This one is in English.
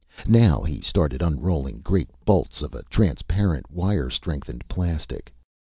Now he started unrolling great bolts of a transparent, wire strengthened plastic.